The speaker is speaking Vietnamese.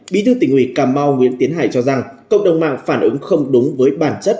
bí thư tỉnh ủy cà mau nguyễn tiến hải cho rằng cộng đồng mạng phản ứng không đúng với bản chất